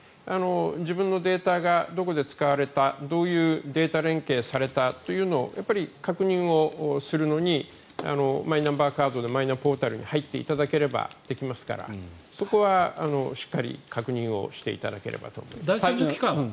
自分のデータがどこで使われたどういうデータ連携されたというのを確認をするのにマイナンバーカードでマイナポータルに入っていただければできますからそこはしっかり確認をしていただければと思います。